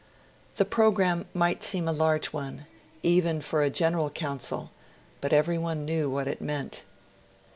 The programme might seem a large one, even for a General Council; but everyone knew what it meant.